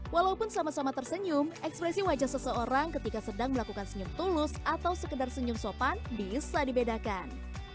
walaupun sama sama tersenyum ekspresi wajah seseorang ketika sedang melakukan senyum tulus atau sekedar senyum sopan bisa dibedakan